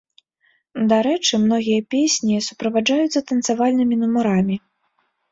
Дарэчы, многія песні суправаджаюцца танцавальнымі нумарамі.